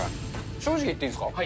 正直言っていいですか。